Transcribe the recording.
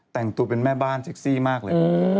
แต่งตัวเป็นแม่บ้านเซ็กซี่มากเลย